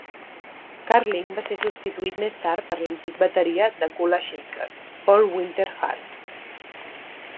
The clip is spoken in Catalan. Carling va ser substituït més tard per l'antic bateria de Kula Shaker, Paul Winter-Hart.